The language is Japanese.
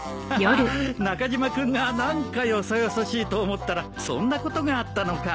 ハハッ中島君が何かよそよそしいと思ったらそんなことがあったのか。